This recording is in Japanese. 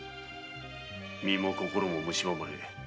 身も心もむしばまれ